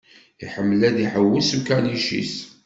Iḥemmel ad iḥewwes s ukanic-is.